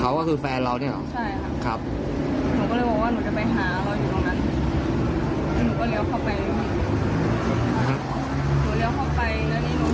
แล้วคุณพรทิพย์กำลังไม่ฝากแต่มีบ้านค้านะ